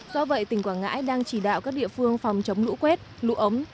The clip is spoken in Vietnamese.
do vậy tỉnh quảng ngãi đang chỉ đạo các địa phương phòng chống lũ quét lũ ống